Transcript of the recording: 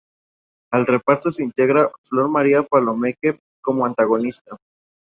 Al reparto se integra Flor María Palomeque como antagonista.